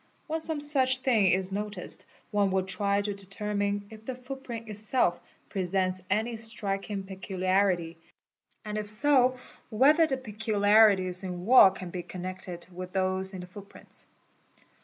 When some such thing is noticed — one will try to determine if the footprint itself presents any striking peculiarity, and if so whether the peculiarities in walk can be connected with those in the footprints.